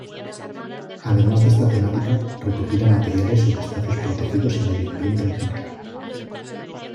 Además de esta temática, recopila materiales sobre espacios protegidos y medio ambiente en general.